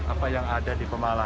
apa yang ada di pemala